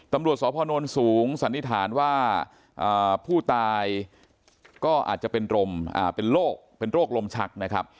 ตำรวจสพนสูงสันนิษฐานว่าผู้ตายก็อาจจะเป็นโรคเป็นโรคลมชักนะครับ